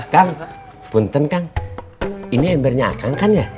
kan punten kan ini embernya akan kan